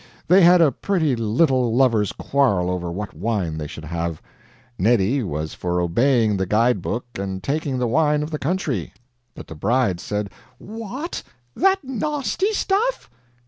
They had a pretty little lovers' quarrel over what wine they should have. Neddy was for obeying the guide book and taking the wine of the country; but the bride said: "What, that nahsty stuff!"